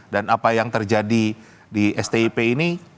dan apa yang terjadi di stip ini